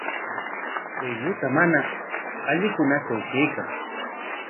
Pay lluta mana allikunatraw kaykan.